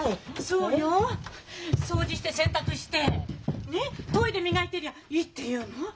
そうよ。掃除して洗濯してねっトイレ磨いてりゃいいっていうの！？